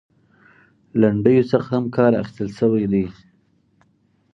لنډيو څخه هم کار اخيستل شوى دى .